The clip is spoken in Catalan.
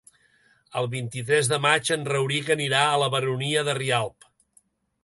El vint-i-tres de maig en Rauric anirà a la Baronia de Rialb.